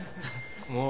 もう。